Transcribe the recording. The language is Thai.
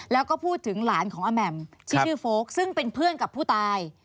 แล้วก็พูดถึงหลานของอแหม่มที่ชื่อโฟลกซึ่งเป็นเพื่อนกับผู้ตาย